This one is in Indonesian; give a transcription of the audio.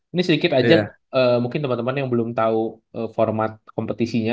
ini sedikit aja mungkin temen temen yang belum tau format kompetisinya